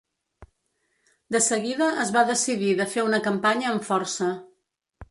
De seguida es va decidir de fer una campanya amb força.